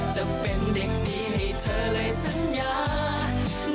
จะเป็นเด็กดีให้เธอเลยสัญญาณ